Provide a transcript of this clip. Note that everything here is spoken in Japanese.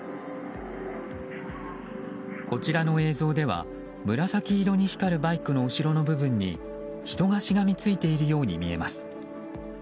こちらの映像では紫色に光るバイクの後ろの部分に人がしがみついているように見えます。